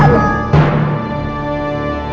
aku mau ke sekolah